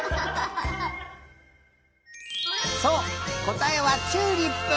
こたえはチューリップ！